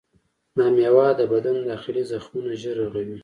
دا میوه د بدن داخلي زخمونه ژر رغوي.